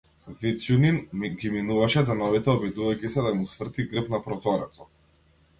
Витјунин ги минуваше деновите обидувајќи се да му сврти грб на прозорецот.